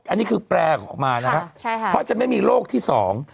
อันนี้คือแปลออกมานะฮะใช่ค่ะเพราะจะไม่มีโรคที่สอง